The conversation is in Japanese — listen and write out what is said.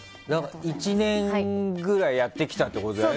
１年ぐらいやってきたってことだよね。